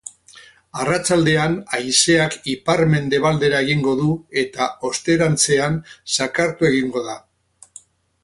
Arratsaldean, haizeak ipar-mendebaldera egingo du, eta osterantzean zakartu egingo da.